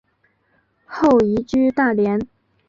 后移居大连。